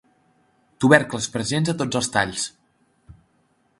Tubercles presents a tots els talls.